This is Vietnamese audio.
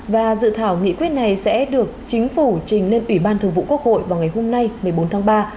và dự thảo nghị quyết này sẽ được chính phủ trình lên ủy ban thường vụ quốc hội vào ngày hôm nay một mươi bốn tháng ba